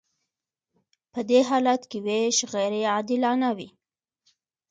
په دې حالت کې ویش غیر عادلانه وي.